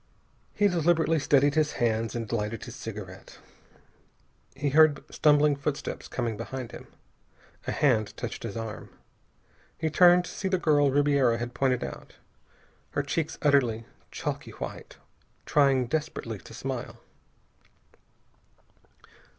He deliberately steadied his hands and lighted his cigarette. He heard stumbling footsteps coming behind him. A hand touched his arm. He turned to see the girl Ribiera had pointed out, her cheeks utterly, chalky white, trying desperately to smile.